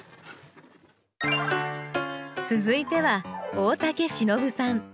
続いては大竹しのぶさん。